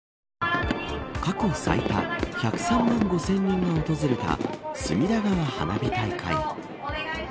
過去最多１０３万５０００人が訪れた隅田川花火大会。